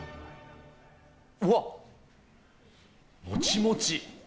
うわっ、もちもち。